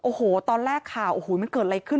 โอ้โหตอนแรกข่าวโอ้โหมันเกิดอะไรขึ้น